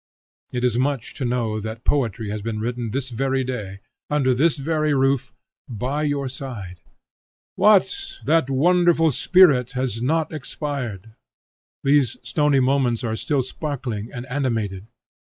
It is much to know that poetry has been written this very day, under this very roof, by your side. What! that wonderful spirit has not expired! These stony moments are still sparkling and animated!